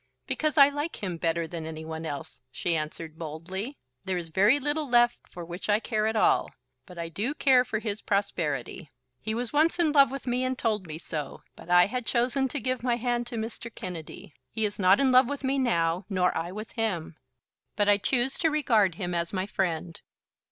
"Because I like him better than any one else," she answered, boldly. "There is very little left for which I care at all; but I do care for his prosperity. He was once in love with me and told me so, but I had chosen to give my hand to Mr. Kennedy. He is not in love with me now, nor I with him; but I choose to regard him as my friend."